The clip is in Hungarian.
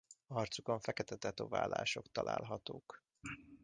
Arcukon fekete tetoválások találhatók.